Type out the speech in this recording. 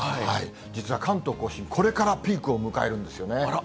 実は関東甲信、これからピークを迎えるんですよね。